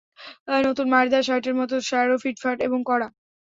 নতুন মাড় দেয়া শার্টের মতো, স্যারও ফিটফাট এবং কড়া।